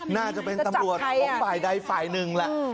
น่าจะเป็นตำรวจของฝ่ายใดฝ่ายหนึ่งแหละ